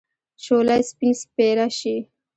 شوله! سپين سپيره شې.